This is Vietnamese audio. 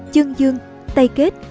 chương dương tây kết